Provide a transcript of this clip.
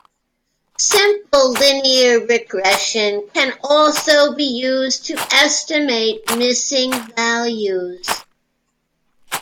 Simple linear regression can also be used to estimate missing values.